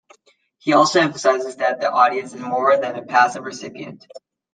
He also emphasizes that the audience is more than a passive recipient.